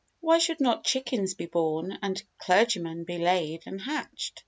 Why should not chickens be born and clergymen be laid and hatched?